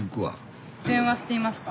電話してみますか。